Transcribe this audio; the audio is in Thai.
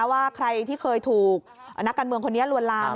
ว่าใครที่เคยถูกนักการเมืองคนนี้ลวนลาม